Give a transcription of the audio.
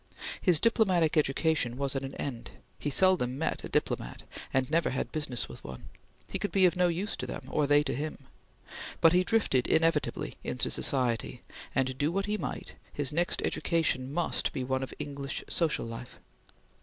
His diplomatic education was at an end; he seldom met a diplomat, and never had business with one; he could be of no use to them, or they to him; but he drifted inevitably into society, and, do what he might, his next education must be one of English social life.